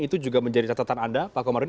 itu juga menjadi catatan anda pak komarudin